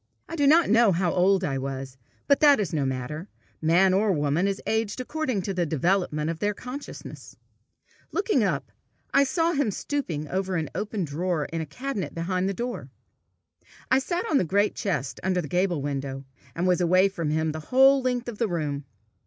I do not know how old I was, but that is no matter; man or woman is aged according to the development of the conscience. Looking up, I saw him stooping over an open drawer in a cabinet behind the door. I sat on the great chest under the gable window, and was away from him the whole length of the room.